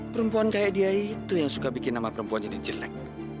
perempuan kayak dia itu yang suka bikin nama perempuan jadi jelek